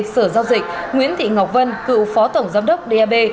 sở giao dịch nguyễn thị ngọc vân cựu phó tổng giám đốc dap